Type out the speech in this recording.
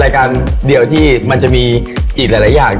รายการเดียวที่มันจะมีอีกหลายอย่าง